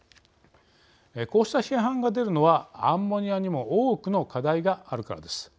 こうした批判が出るのはアンモニアにも多くの課題があるからです。